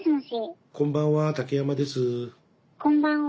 こんばんは。